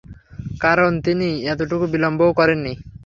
কারণ তিনি এতটুকু বিলম্বও করেন নি।